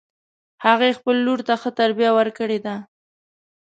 هغې خپل لور ته ښه تربیه ورکړې ده